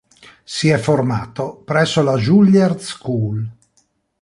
Si è formato presso la Juilliard School.